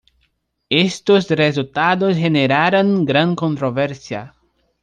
Estos resultados generaron gran controversia.